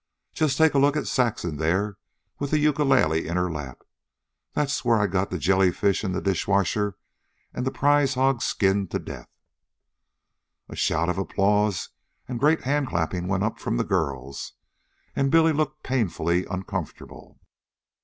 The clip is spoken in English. Just take a look at Saxon there with the ukulele in her lap. There's where I got the jellyfish in the dishwater an' the prize hog skinned to death." A shout of applause and great hand clapping went up from the girls, and Billy looked painfully uncomfortable.